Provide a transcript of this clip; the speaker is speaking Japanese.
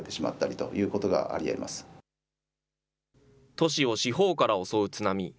都市を四方から襲う津波。